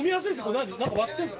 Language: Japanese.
何か割ってんの？